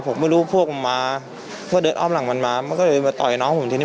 ผมไม่รู้พวกมันมาเพื่อเดินอ้อมหลังมันมามันก็เลยมาต่อยน้องผมทีนี้